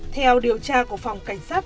theo điều tra của phòng cảnh sát